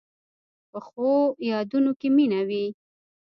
پخو یادونو کې مینه وي